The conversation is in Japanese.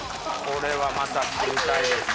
これはまた作りたいです